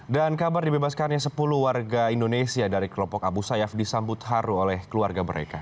dan kabar dibebaskannya sepuluh warga indonesia dari kelompok abu sayyaf disambut haru oleh keluarga mereka